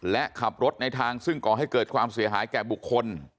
และขับรถในทางซึ่งก่อให้เกิดความเสียหายแก่บุคคล